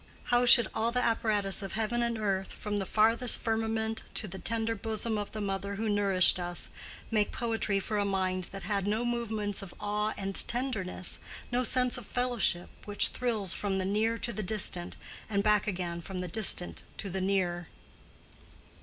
How should all the apparatus of heaven and earth, from the farthest firmament to the tender bosom of the mother who nourished us, make poetry for a mind that had no movements of awe and tenderness, no sense of fellowship which thrills from the near to the distant, and back again from the distant to the near?